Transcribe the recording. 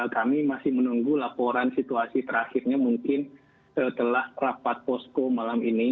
kami masih menunggu laporan situasi terakhirnya mungkin setelah rapat posko malam ini